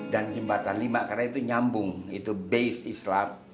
dan jembatan lima karena itu nyambung itu base islam